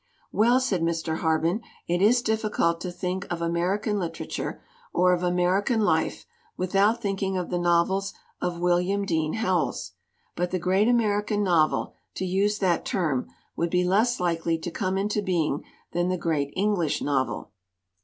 "Well," said Mr. Harben, "it is difficult to think of American literature or of American life without thinking of the novels of William Dean Howells. But the great American novel, to use that term, would be less likely to come into being than the great English novel.